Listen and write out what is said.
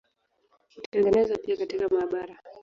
Hutengenezwa pia katika maabara.